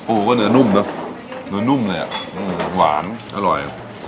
โอ้แต่เนื้อนุ่มด้วยเนื้อนุ่มเลยอะอืมหวานอร่อย